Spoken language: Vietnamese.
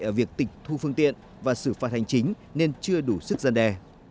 ở việc tịch thu phương tiện và xử phạt hành chính nên chưa đủ sức gian đe